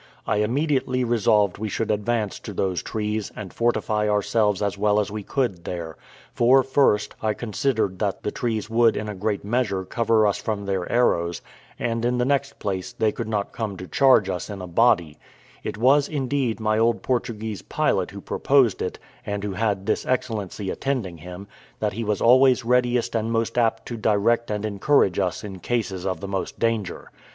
I immediately resolved we should advance to those trees, and fortify ourselves as well as we could there; for, first, I considered that the trees would in a great measure cover us from their arrows; and, in the next place, they could not come to charge us in a body: it was, indeed, my old Portuguese pilot who proposed it, and who had this excellency attending him, that he was always readiest and most apt to direct and encourage us in cases of the most danger.